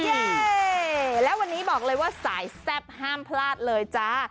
นี่และวันนี้บอกเลยว่าสายแซ่บห้ามพลาดเลยจ้า